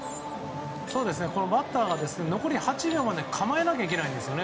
バッターは残り８秒までに構えなきゃいけないんですね。